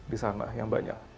di sana yang banyak